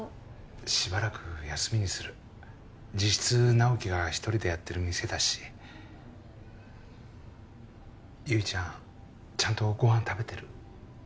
しばらく休みにする実質直木が１人でやってる店だし悠依ちゃんちゃんとご飯食べてる？